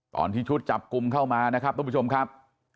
ตอนที่ชุดจับกลุ่มเข้ามานะครับทุกผู้ชมครับ